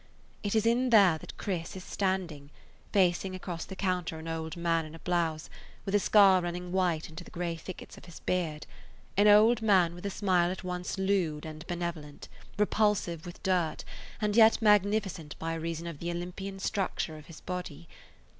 It is in there that Chris is standing, facing across the counter an old man in a blouse, with a scar running white into the gray thickets [Page 132] of his beard, an old man with a smile at once lewd and benevolent, repulsive with dirt and yet magnificent by reason of the Olympian structure of his body.